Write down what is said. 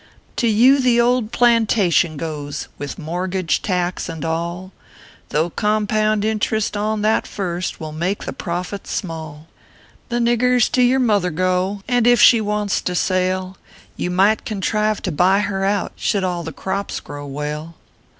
To you the old plantation goes, With mortgage, tax, and all, Though compound interest on that first, "Will make the profit small. The niggers to your mother go; And if she wants to sell, You might contrive to buy her out, Should all tlio crops grow well.